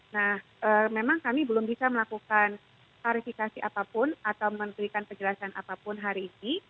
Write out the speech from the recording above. nah memang kami belum bisa melakukan klarifikasi apapun atau memberikan penjelasan apapun hari ini